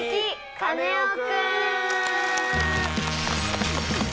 カネオくん」！